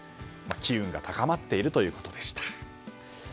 機運が高まっているということでした。